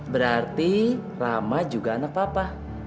berarti rama juga anak papa